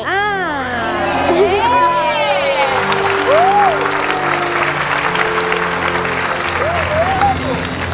โอเค